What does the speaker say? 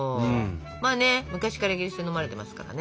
まあね昔からイギリスで飲まれてますからね。